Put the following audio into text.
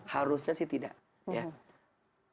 harusnya sih tidak ya